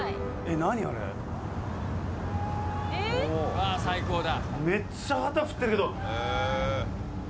うわ最高だ。